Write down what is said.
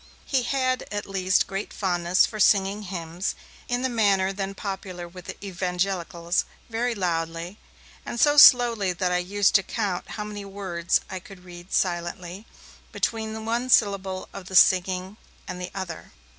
He had at least great fondness for singing hymns, in the manner then popular with the Evangelicals, very loudly, and so slowly that I used to count how many words I could read silently, between one syllable of the singing and another.